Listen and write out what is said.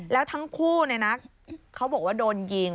แล้วทั้งคู่เขาบอกว่าโดนยิง